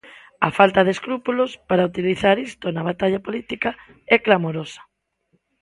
A falta de escrúpulos para utilizar isto na batalla política é clamorosa.